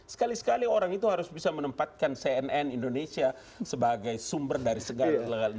sekali sekali orang itu harus bisa menempatkan cnn indonesia sebagai sumber dari segala